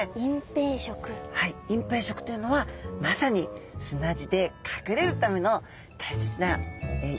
隠蔽色というのはまさに砂地で隠れるための大切な色ということですね。